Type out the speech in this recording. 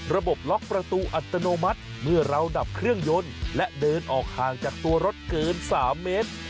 ล็อกประตูอัตโนมัติเมื่อเราดับเครื่องยนต์และเดินออกห่างจากตัวรถเกิน๓เมตร